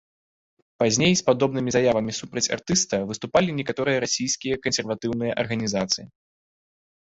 Пазней з падобнымі заявамі супраць артыста выступілі некаторыя расійскія кансерватыўныя арганізацыі.